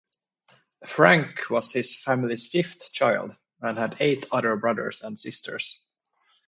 Frank was his family's fifth child, and had eight other brothers and sisters.